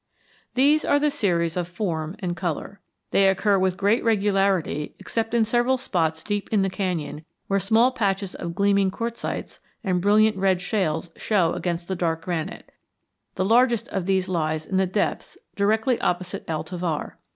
These are the series of form and color. They occur with great regularity except in several spots deep in the canyon where small patches of gleaming quartzites and brilliant red shales show against the dark granite; the largest of these lies in the depths directly opposite El Tovar.